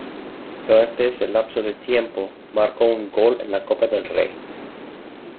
Durante ese lapso de tiempo, marcó un gol en la Copa del Rey.